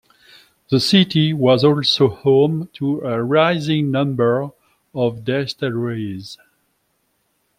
The city was also home to a rising number of distilleries.